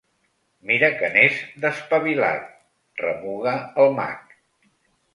Mira que n'és, d'espavilat! —remuga el mag—.